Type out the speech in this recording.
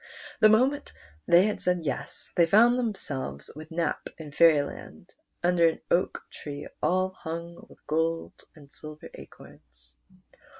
The moment they had said yes, they found themselves with Nap in Fairyland under an oak tree all hung with gold and silver acorns.